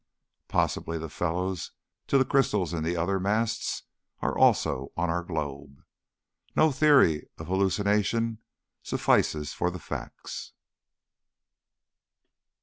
Possibly the fellows to the crystals in the other masts are also on our globe. No theory of hallucination suffices for the facts.